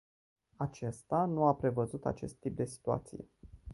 Acesta nu a prevăzut acest tip de situație.